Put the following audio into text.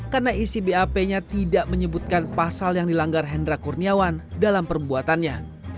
karena isi bap nya tidak menyebutkan pasal yang dilanggar hendra kurniawan dalam perbuatannya